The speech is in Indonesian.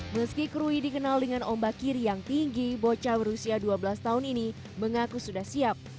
meski krui dikenal dengan ombak kiri yang tinggi bocah berusia dua belas tahun ini mengaku sudah siap